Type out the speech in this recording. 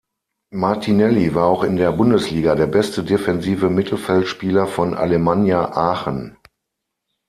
Martinelli war auch in der Bundesliga der beste defensive Mittelfeldspieler von Alemannia Aachen.